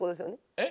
えっ！